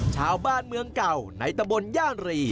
ชาวบ้านเมืองเก่าในตะบนย่านรี